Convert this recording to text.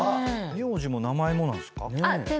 名字も名前もなんですか？